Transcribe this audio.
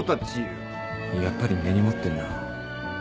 やっぱり根に持ってんな。